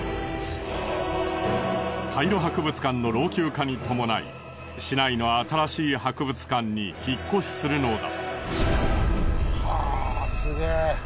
カイロ博物館の老朽化に伴い市内の新しい博物館に引っ越しするのだ。